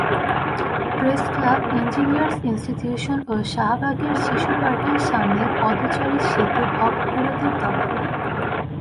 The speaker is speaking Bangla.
প্রেসক্লাব, ইঞ্জিনিয়ার্স ইনস্টিটিউশন ও শাহবাগের শিশুপার্কের সামনের পদচারী সেতু ভবঘুরেদের দখলে।